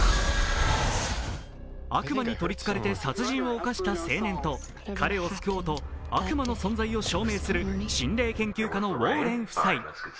悪魔にとりつかれて殺人を犯した青年と、彼を救おうと悪魔の存在を証明する心霊研究家のウォーレン夫妻。